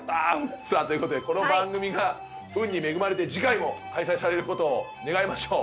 さあということでこの番組が運に恵まれて次回も開催されることを願いましょう。